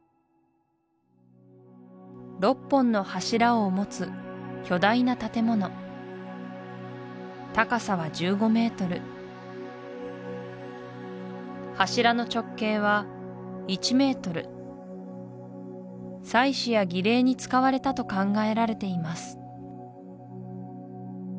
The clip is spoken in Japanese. ６本の柱を持つ巨大な建物柱の直径は１ｍ祭祀や儀礼に使われたと考えられています